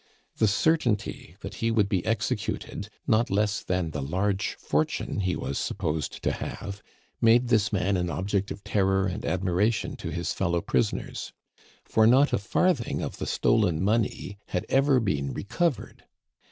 The certainty that he would be executed, not less than the large fortune he was supposed to have, made this man an object of terror and admiration to his fellow prisoners; for not a farthing of the stolen money had ever been recovered.